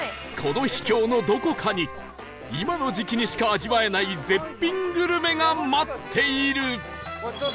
この秘境のどこかに今の時期にしか味わえない絶品グルメが待っている